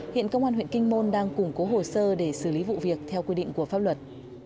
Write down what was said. hiện công an huyện kinh môn đang củng cố hồ sơ để xử lý vụ việc theo quy định của pháp luật